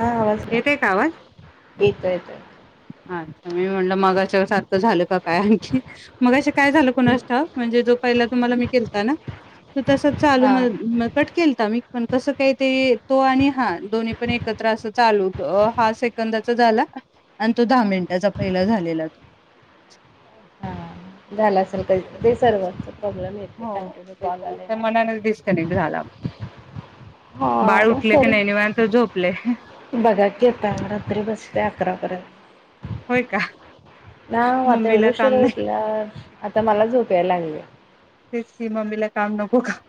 हा वाचता येतय का आवाज? येत येत. अच्छा मी म्हणलं मघाशा सारखं झालं का काय आणखी. मगाशी काय झालं कुनाश ठाऊक म्हणजे जो पहिला तुम्हाला मी केलता हा ना तु तसंच चालू हा मध-मध कट केलता मी. पण कसं काय ते तो आणि हा दोन्ही पण एकत्र असं चालू होत अ हा सेकंदाचा झाला. आणि तो दहा मिनिटाचा पहिला झालेला तो. आला असल कधी ते सर्वांचं प्रॉब्लेम येते हो कंटिन्यू तेच कॉल आले त्या ना. मनानेच डिस्कनेक्ट झाला. बाळ हा उठले की सर नाही निवांत झोपले बघा घेत रात्री बसते अकरा पर्यंत. होय का? आता आता एवढं मम्मीला काम उशीरा नाही उटलास आता मला झोप याय लागलीया. हो का?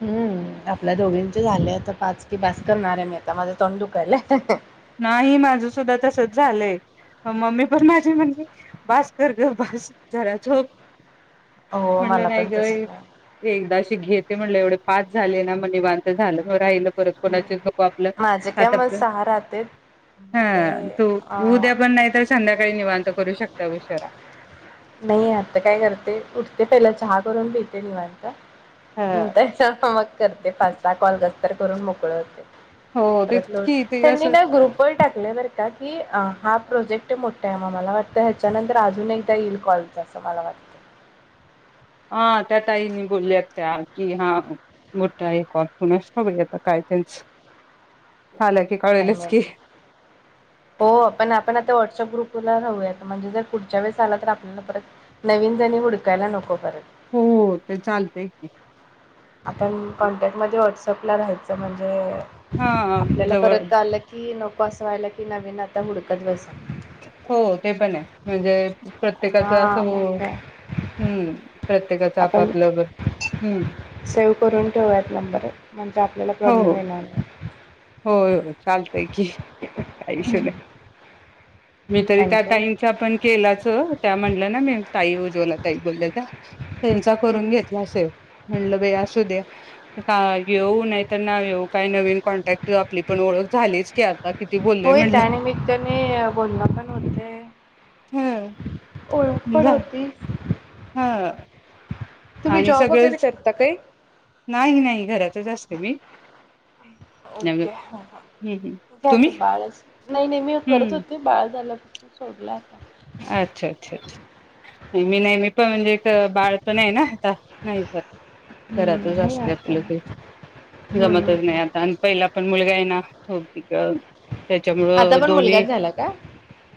हम्म आपल्या दोघींचे झाले आता पाच. बास करणार ये मी. आता माझं तोंड दुखायला हँ हँ! नाही माझ सुद्धा तसच झालंय, मम्मी पण माझी म्हणजे बास, कर ग बास जरा झोप. हो मला म्हनलं नाही पण ग तसच एक, आहे एकदाशी घेत मी म्हनलं एवढे पाच झाले ना म निवांत झालं म राहिलं परत कोणाचेच नको आपलं माझे काय मग आटापलं सहा राहतेत मग हा काय तू अ उद्या पण नाही तर संध्याकाळी निवांत करू शकता उशिरा. नाही आता काय करते, उठते पहिला चहा करून पितेे निवांत. ह नंतर च मग करते पाच सहा कॉल कर तरं करून मोकळ होते. हो तेच परत लो की ते त्यांनी असं ना ग्रुपवर टाकल बरका की अ हा प्रोजेक्ट मोठा आहे म मला वाटतं ह्याच्यानंतर अजून एकदा यील. कॉलच असं मला वाट हा त्या ताई नी बोलल्या त्या कि हा मोठा आहे, कॉ कुणास ठाऊक बाई आता काय त्यांच. आला की काय कळेलच म की हो आपण, आपण आता व्हॉटसअप ग्रुप राहूयात म्हणजे जर पुढच्या वेळेस आला तर आपल्याला परत, नवीन जणी हुडकायला नको परत. हो ते चालतय की. आपण कॉन्टॅक्टमध्ये व्हाट्सअप अपलं राहायचं म्हणजे हा आपल्याला जवळ परत आलं कि नक को असं व्हायला की नवीन आता हुडकत बसा. हो ते पण हे म्हणजे प्रत्येकाच असं हा हो मग काय हूं प्रत्येकाचं आपण आपापलं ब हूं! सेव्ह करून ठेवूयात नंबर म्हणजे आपल्याला प्रॉब्लेम येणार नाही. होय, होय हो चालतय की काही इशू नाही. मी तरी त्या आणखीन ताईचा, पण केलाचं ओ त्या म्हणल्या ना मी ताई, उज्ज्वला ताई, बोलल्या. [inaudible] तेंचा करून घेतला असेल म्हणल व्हय असूदया का येवो, नाहीत ना येवो काय नवीन कॉन्टॅक्ट. त आपली पण ओळख झालीच की आता किती बोललोय होय म्हणलं त्या निमित्ताने बोलण पण होतय, ह ओळख पण होती. हं! तुम्ही आणि जॉब वगैरे सगळचं करता काय नाही, नाही घरात. [unintelligible] मी हम्म ओके हा हा हम्म तुम्ही जाते बाळ नाही नाही मी करत हम्म होते बाळ झाल्या सोडला अच्छा अच्छा मी नाही मी त म्हणजे त बाळ पण आहे ना आता नाही करत हम्म घरातच नाही असते आता आपलं आपलं जमतच हम्म नाही आता आणि पहिला पण मुलगा हे नांव ठेवती ग आता त्याच्यामुळं पण दोन्ही मुलगाच झाला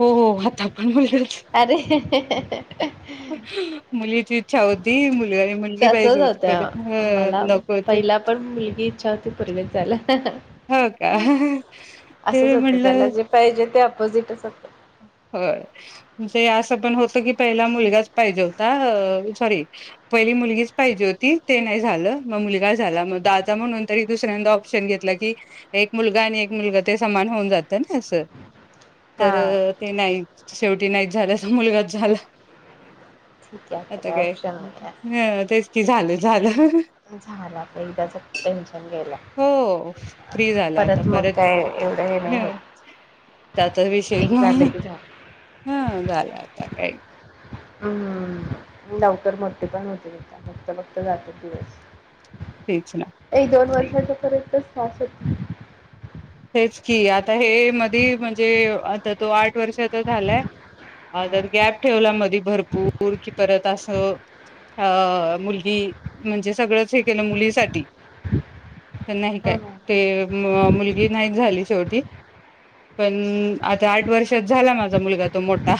हो हो हाता [unintelligible] आरे [unintelligible] मुलीची इच्छा होती मुलगा आणि मुलगी तसच पाहिजे होती पहिले होत्या मला नको होती पहिला पण मुलगी इच्छा होती पोरगीच झाल हो का? ते होतं त्याला म्हटलं जे पाहिजे ते अपोजिटच असत व्हय ते आसं पण होत की पहिला मुलगाच पाहिजे होता अ सॉरी पहिली मुलगीच पाहिजे होती ते नाही झालं म मुलगा झाला मग दादा म्हणून तरी दुसऱ्यांदा ऑप्शन घेतला की एक मुलगा आणि एक मुलगा ते समान होऊन जात ना आसं हा तरर शेवटी नाहीच झाल मुलगाच झाला ठीक आहे आता काय ऑप्शन नाहीहाय ह तेच की झालं झालं झालं आता एकदाच टेन्शन गेल हो फ्री झालं आता मग परत काय एवढं हे नाही हम्म होत. त्याचा विषयच एक झालं की झालं. हं झाल आता ये हम्म लवकर मोठेपण होतेत आता बघता बघता जातेत तेच ना दिवस एक दोन नाही वर्षाच्या पर्यंतच [unintelligible] की आता हे मधी म्हणजे आता तो आठ वर्षाचा झालाय हा जर गॅप ठेवला मधी भरपूर कि परत अस अ मुलगी म्हणजे सगळंच हे केलं मुलीसाठी तर नाही हो काय ना. ते म मुलगी नाही झाली शेवटी पण आता आठ वर्षात झाला माझा मुलगा तो मोठा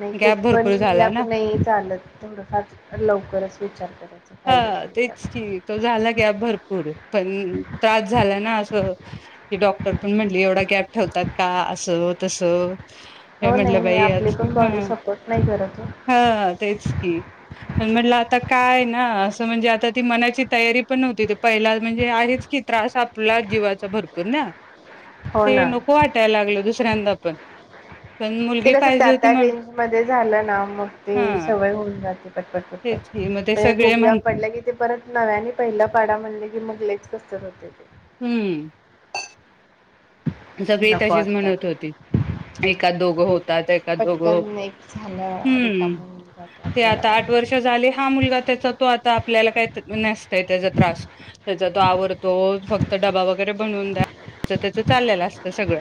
नाही खूप गॅप पण भरपूर झाला गॅप ना. नाही चालत थोडं फार लवकरच विचार करायचा पाहिजे हां असेल तर तेच की तो झाला गॅप भरपूर पण त्रास झाला ना असं की डॉक्टर पण म्हटली एवढा गॅप ठेवतात का असं तसं? हे हो नाही म्हटलं नाही बाई आपली आज पण हां बॉडी सपोर्ट नाही करत हो. हां तेच की म्हटलं आता काय? हां असं म्हणजे आता ती मनाची तयारी पण नव्हती ते पहिला म्हणजे आहेच की त्रास आपला जीवाचा भरपूर ना हो ते ना नको वाटायला लागल दु- सऱ्यांदा पण पण ते मुलगी कसं पाहिजे त्या होती त्या म्हण रेंज मध्ये झालं ना मग ते हां, सवय होऊन जाते पटपट तेच पटपट की मग ते म्हणजे सगळे खूप म्हण गॅप पडला की ते परत नव्याने पहिला पाडा म्हणले की मग लईच कसतर होतंय ते हूं सगळी नको तशीच वाटतं. म्हणत होती एकात दोघं होतात एकात दोघं पटकन एक झालं हूं रिकामं होऊन जातं ते आपल्याला आता पण. आठ वर्ष झाली हा मुलगा त्याचा तो आता आपल्याला काय नसतय त्याचा त्रास त्याचा तो आवरतो फक्त डबा वगैरे बनवून द्या त्याच चालेल असत सगळं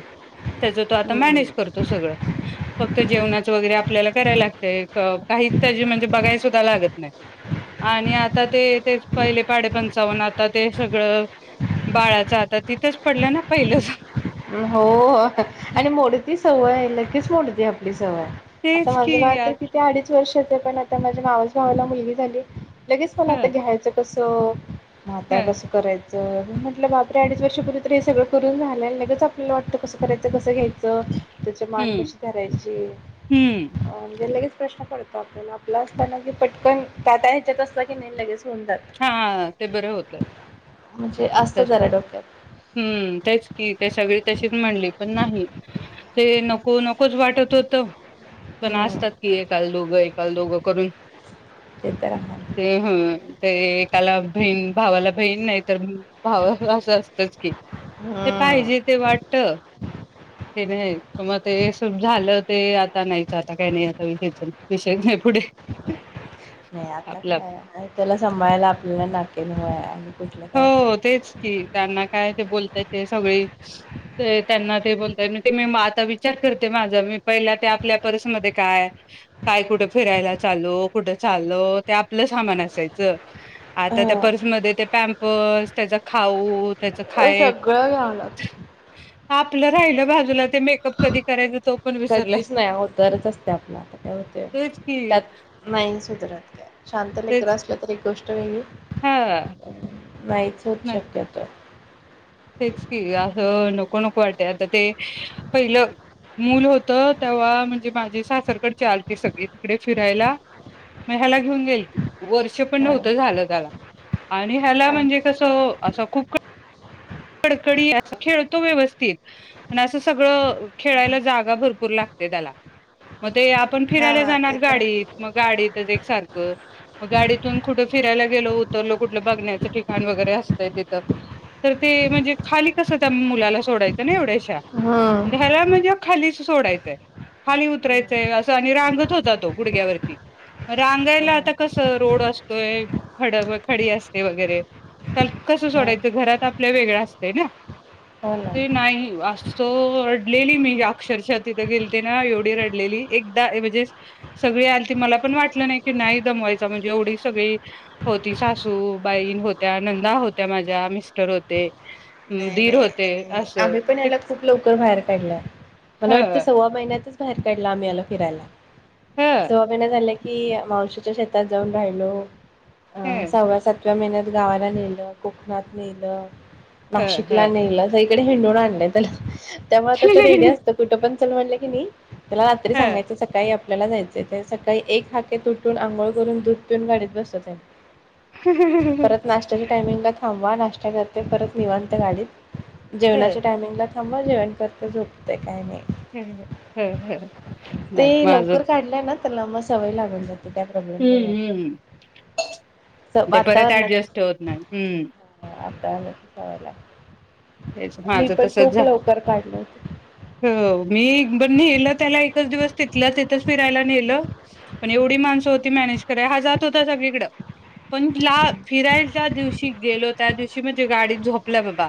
त्याच तो हम्म मॅनेज करतो सगळं फक्त जेवणाच वैगेरे आपल्याला करायला लागतंय. क काहीच तेजी म्हणजे बघाय सु द्धा लागत नाय आणि आता ते ते पहिले पाडे पंचावन्न आता ते सगळं बाळाचं आता तिथंच पडलं ना पहिलं हो हो आणि मोडती सवय आहे ल गेच मोडती आपली स व्हय आता तेच माझं बाळ की आ तर किती अडीच वर्ष पण आता माझ्या मावास भावाला मुलगी झाली. लगेच त्याला आता ह घ्यायचं कसं हो म आता ह कसं कराय च मी म्हटलं बापरे अडीच वर्षपूर्वी तर हे सगळं करून झालंय आणि लगेच आपल्याला वाटतं करायचंसं घ्याय च त्याची मान हम्म कशी धरायची हम्म म्हणजे लगेच प्रश्न पडतो आपल्याला आपला असताना कि पटकन काटा ह्याच्यात असला की नाय लगेच होऊन जात. हां ते बरे होतय म्हणजे असतं तेच ना जरा डोक्यात हूं तेच की, ते सगळी तशीच म्हणली पण नाही ते नको नकोच वाटत होत पण हम्म असतात की एकाल दोघं एकाल दोघं करून ते तर आहे. ते हूं हे एकाला बहीण भावाला बहीण नाही तर भाव अस असतच की ते हम्म पाहिजे ते वाटत हे त्याज हे ते झाल ते आता नाहीच आता काही नाही आता विषयच विषय नाही पुढे आपल आप सांभाळायलला आपल्याला नाकी नऊ हाय आणि कुठल्य काय हो तेच की त्यांना काय ते बोलताय ते सगळी ते त्यांना ते बोलताय ते मी आता विचार करते माझा मी पहिल्या ते आपल्या पर्समध्ये काय काय कुठ फिरायला चाललो कुठ चालो ते आपल सामान असायच. आता त्या हा पर्समध्ये ते पॅम पस त्याच खाऊ त्याच खाय सगळं घ्यावं लागत आपल राहिल बाजूला ते मेकअप कधी करायच कधीच नाही अवतारच असतोय आपला तेच की त्यात नाही सुधरत काय शांत लेकरं तेच असल तरी गोष्ट वेगळी हा नाहीच होत नाही शक्यतो. तेच की अस नको नको वाटतय आता ते पहिल मुल होत. तेव्हा म्हणजे माझी सासरकडचे आलते सगळे तिकडे फिरायला म ह्याला घेऊन ये वर्ष पण हा नव्हत झाल त्याला आणि ह्याला काय म्हणजे कस असा खूप कडकडी खेळतो व्यवस्थित पण अस सगळ खेळायला जागा भरपूर लागते त्याला. ते आपण फिरायला हा ते जाणार तर गाडीत म गाडीतच एक सारख म गाडीतून कुठ फिरायला गेलो उतरल कुठल बघण्याच ठिकाण वगैरे असतय तिथ ह [unintelligible] ते म्हणजे खाली कस त्या मुलाला सोडायच ना एवढ्या हा ह्याला म्हणजे खालीच सोडायचय खाली उतरायचय अस आणि रांगत होता तो गुडग्यावरती रांगायला आता हा कस रोड असतोय खड्यावर खडी अस ते वगैरे त्या कस सोडायच घरात आप वेगळ असतय ना हो ना ते नाही अस रडलेली मी अक्षरशः तिथ गेलते ना एवढी रडलेली एकदा म्हणजे सगळी आलती. मला पण वाटल नाही की नाही दमवायच म्हणजे एवढी सगळी होती सासू बाईन होत्या नंदा होत्या माझ्या मिस्टर होत ते नाय नाय नाय असं आम्ही पण याला खूप लवकर बाहेर काढलाय मला वाटत ह सव्वा महिन्यातच बाहेर काढला आम्ही आला फिरायला. ह सव्वा महिना झाला की मावशी शेतात जाऊन राहिलो. अ हं, सहव्या सात किया महिन्यात गावाला नेलं कोकणात नेलं. हं, नाशिक. तिला हं. न्यायला जाईल. इकडे हिडून आणल त्याला. त्यामुळे आता तर रेडी असतं कुठं पण चल म्हटलं की नाही. त्याला रात्री हं. सांगायचं सकाळी आप. आपल्याला जायचे ते सकाळी एक हाकेट उठून आंघोळ करून दूध पिऊन गाडीत बसत. हं, परत नाश्त्याची टायमिंग का थांब. जेव्हा नाश्ता करते परत निवांत. गाडीत जेवणाचा टायमिंग ला. त्यामुळे जेवण करत झोपतेंय काही नाही. हम्म हम्म हम्म मग ते माझं. लवकर काढलंय ना त्याला मग सवय लागून जाते. काय प्रॉब्लेम नाही आहे. हम्म हम्म स ते परत वातावरणाची ऍडजेस्ट होत नाही हम्म. त्यामुळे त्याला. तेच मी माझं पण तसच खूप झा लवकर काढल. हो मी नेलं त्याला एकच दिवस तिथलं तिथच फिरायला नेलं पण एवढी माणसं होती मॅनेज कराय हा जात होता सगळीकडं पण ला फिरायला ज दिवशी गेलो त्या दिवशी म्हणजे गाडी झोपल्या बाबा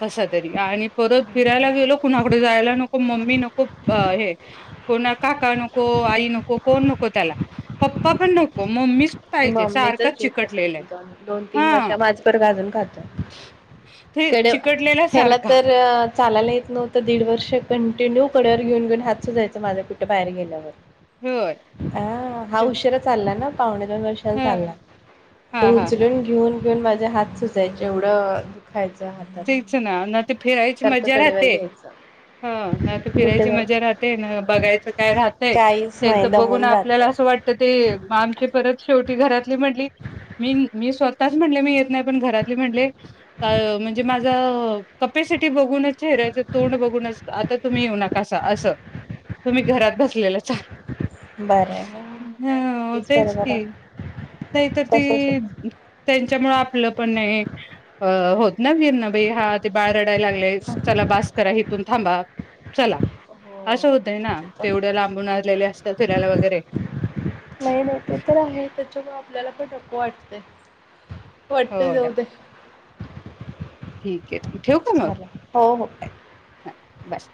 कस तरी आणि. परत फिरायला गेल कुणाकड. जायला नको मम्मी नको हे. कोणा काका नको आई नको कोण नको त्याला पप्पा पण नको मम्मी. मम्मीच जीव खातात दोन तीन वर्ष हा माझप गाजून ते खातोडे चिकटलेला ह्याला सारखा तर चालायला येत नव्हतं. दीड वर्ष कंटिन्यू कडेवर घेऊनेन हात सुजायचा माझं कुठं बाहेर घेण्यावर. होय अ हा ते उशरा चालला ना पाहुण्यने. दर वर्ष ह चालला हा हा हा उचलून घेऊन. घेऊन माझ्या हात सुजायचे एवढं. दुखायचं हातात तेच ना ना ते फिरायची सारखं मज्जा कडेवर राहते घ्यायचं ह ना ते तेच तेच ना ना कुठे फिरायची जाऊ मज्जा राहते न बघायचं काय राहतय काहीच नाही त्यांचं बघून दमून आपल्याला जातं असं वाटत ते आमची परत शेवटी घरातली म्हली मी मी स्वतःच म्हणले मीे येत नाही. पण घरातले म्हटले अ कॅपॅसिटी बघूनच. चेहराचं तोंड बघून आता तुम्ही येऊ नका. कसा असं तुम्ही घरात बसलेलं चाल. बरं आहे नाही नाही हा तेच बरोबर कि आहे नाहीत तसच ती त्यांच्यामुळ आपलं पण नाही अ होत. नव नाई हा ते बाळ रडायला लागलाय आहे. चला बास करा हिथून थांबा. चला हो असं होतय ना ते तर तेवढ्या लांबून आलेले असतात फिरायला वगैरे नाही नाही ते तर आहे त्याच्यामुळे आपल्याला पण नको वाटतंय. हो वाटतंय ना, जाऊ दे. ठीक आहे ठेवू का चालेल हो हो मग बाय